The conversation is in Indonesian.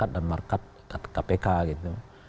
untuk menjaga harkat dan markat kpk gitu